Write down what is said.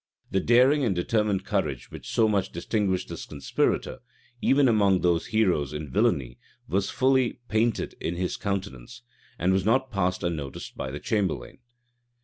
That daring and determined courage which so much distinguished this conspirator, even among those heroes in villany, was fully painted in his countenance, and was not passed unnoticed by the chamberlain.